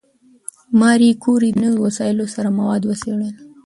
ماري کوري د نوي وسایلو سره مواد وڅېړل.